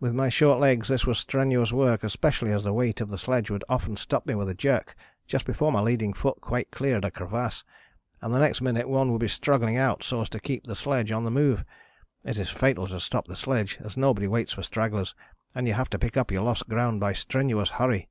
With my short legs this was strenuous work, especially as the weight of the sledge would often stop me with a jerk just before my leading foot quite cleared a crevasse, and the next minute one would be struggling out so as to keep the sledge on the move. It is fatal to stop the sledge as nobody waits for stragglers, and you have to pick up your lost ground by strenuous hurry.